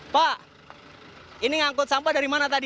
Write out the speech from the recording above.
pak ini ngangkut sampah dari mana tadi